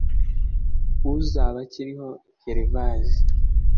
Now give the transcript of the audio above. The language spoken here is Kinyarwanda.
Uzabakiriho Gervais